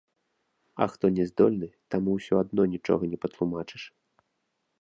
А хто не здольны, таму ўсё адно нічога не патлумачыш.